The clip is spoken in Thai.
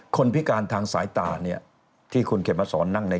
คนพิการทางสายตา